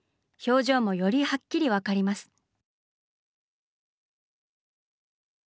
表情もよりはっきり分かります。